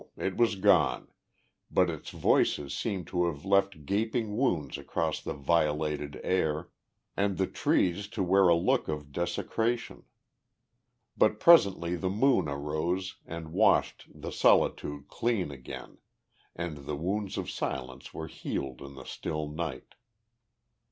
It was gone, but its voices seemed to have left gaping wounds across the violated air, and the trees to wear a look of desecration. But presently the moon arose and washed the solitude clean again, and the wounds of silence were healed in the still night.